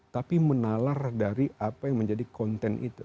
tapi menalar dari apa yang menjadi konten itu